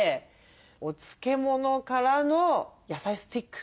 お漬物からの野菜スティック。